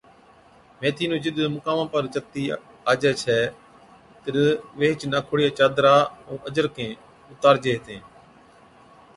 ميٿِي نُون جِڏ مُقاما پر چتِي آجَي ڇَي تِڏ ويھِچ ناکوڙِيا چادرا ائُون اجرکين اُتارجي ھِتِين